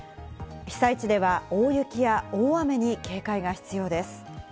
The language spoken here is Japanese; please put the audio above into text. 被災地では大雪や大雨に警戒が必要です。